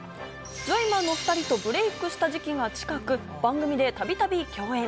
ジョイマンの２人とブレイクした時期が近く番組でたびたび共演。